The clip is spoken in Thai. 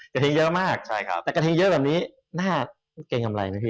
กระทิงเยอะมากแต่กระทิงเยอะแบบนี้น่าเกรงำไรนะพี่